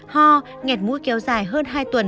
ho nghẹt mũi kéo dài hơn hai tuần